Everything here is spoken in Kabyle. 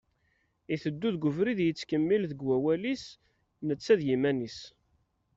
Iteddu deg ubrid yettkemmil deg wawal-is netta d yiman-is.